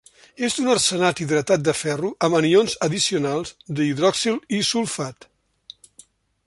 És un arsenat hidratat de ferro amb anions addicionals d'hidroxil i sulfat.